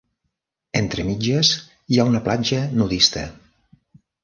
Entre mitges hi ha una platja nudista.